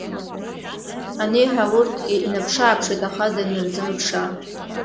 Аниҳәа урҭгьы инаԥшы-ааԥшит аха данырзымԥшаа…